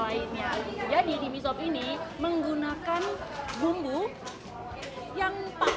satu lagi nih yang bikin makanan mie sop ini berbeda banget sama kuliner kuliner ataupun makanan berkuah lainnya